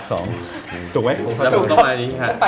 ผมบอกแล้วครับผมอยู่แถวนี้แหละ